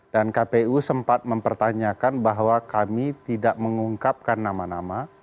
dan kpu sempat mempertanyakan bahwa kami tidak mengungkapkan nama nama